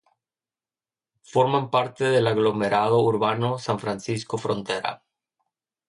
Forman parte del aglomerado urbano San Francisco-Frontera.